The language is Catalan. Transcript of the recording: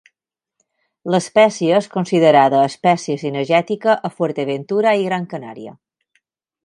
L'espècie és considerada espècie cinegètica a Fuerteventura i Gran Canària.